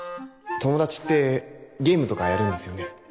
友達ってゲームとかやるんですよね